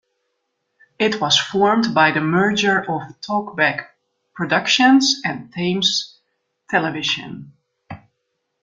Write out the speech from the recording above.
It was formed by the merger of Talkback Productions and Thames Television.